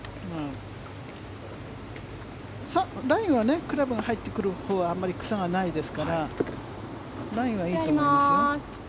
ライはクラブが入ってくるほうはあまり草がないですからライはいいと思いますよ。